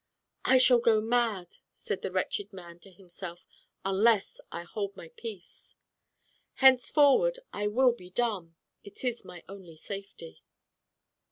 "I shall go mad," said the wretched man to himself, '*unless I hold my peace. Henceforward I will be dumb. It is my only safety.